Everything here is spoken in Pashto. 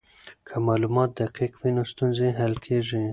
که معلومات دقیق وي نو ستونزې حل کیږي.